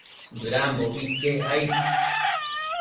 Bëdambobi iquec aid